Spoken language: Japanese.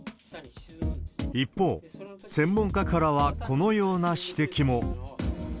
一方、専門家からはこのような指摘も。